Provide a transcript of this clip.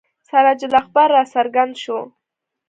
سراج الاخبار را څرګند شو.